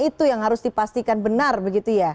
itu yang harus dipastikan benar begitu ya